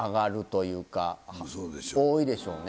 多いでしょうね。